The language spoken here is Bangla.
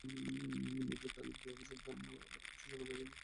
মেজর ডালিমকে আমি চিনতাম আমার কিছু সেনাবাহিনী এবং মুক্তিযোদ্ধা বন্ধুর মাধ্যমে।